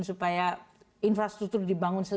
supaya infrastruktur dibangun